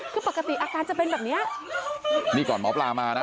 คือปกติอาการจะเป็นแบบเนี้ยนี่ก่อนหมอปลามานะ